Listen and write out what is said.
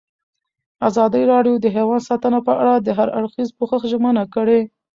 ازادي راډیو د حیوان ساتنه په اړه د هر اړخیز پوښښ ژمنه کړې.